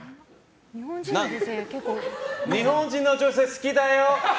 日本人の女性好きだよ！